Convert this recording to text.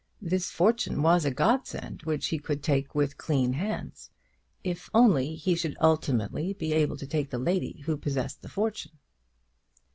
This fortune was a godsend which he could take with clean hands; if only he should ultimately be able to take the lady who possessed the fortune!